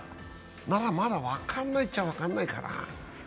なら、まだ分かんないっちゃ分かんないかな。